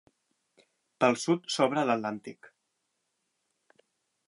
Pel sud s'obre a l'Atlàntic.